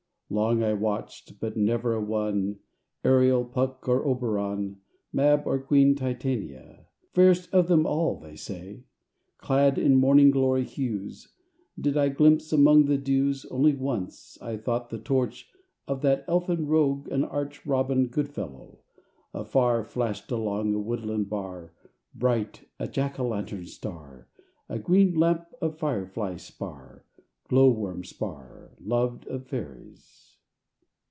V Long I watched, but never a one, Ariel, Puck, or Oberon, Mab, or Queen Titania Fairest of them all they say Clad in morning glory hues, Did I glimpse among the dews. Only once I thought the torch Of that elfin rogue and arch, Robin Goodfellow, afar Flashed along a woodland bar Bright, a jack o' lantern star, A green lamp of firefly spar, Glow worm spar, Loved of Fairies.